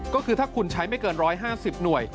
ก็คือถ้าคุณใช้ไม่เกิน๑๕๐หน่วย